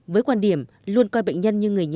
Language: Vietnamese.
với quan điểm luôn coi bệnh nhân như người nhà